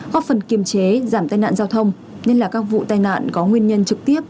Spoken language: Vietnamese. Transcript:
góp phần kiềm chế giảm tai nạn giao thông nhất là các vụ tai nạn có nguyên nhân trực tiếp